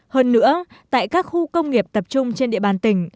hơn nữa tại các khu công nghiệp tập trung trên địa bàn tỉnh